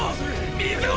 水を！！